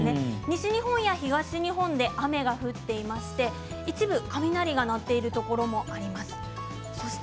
西日本や東日本で雨が降っていまして一部、雷が鳴っているところもあります。